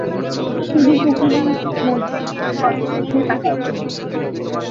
সুজি পুকুরের মধ্যে কেলির কথা শোনে এবং তাকে আক্রমণ করে।